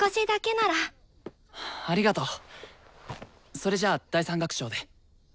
それじゃあ第３楽章で。